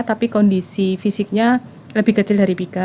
tapi kondisi fisiknya lebih kecil dari pika